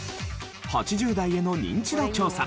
８０代へのニンチド調査。